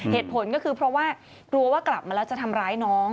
เหตุผลก็คือเพราะว่ากลัวว่ากลับมาแล้วจะทำร้ายน้อง